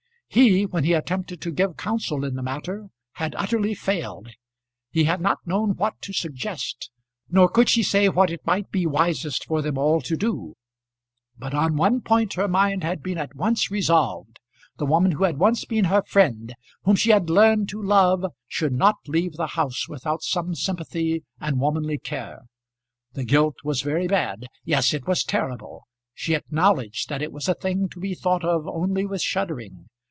He, when he attempted to give counsel in the matter, had utterly failed. He had not known what to suggest, nor could she say what it might be wisest for them all to do; but on one point her mind had been at once resolved. The woman who had once been her friend, whom she had learned to love, should not leave the house without some sympathy and womanly care. The guilt was very bad; yes, it was terrible; she acknowledged that it was a thing to be thought of only with shuddering.